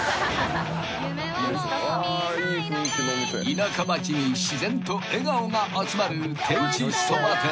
［田舎町に自然と笑顔が集まる手打ちそば店］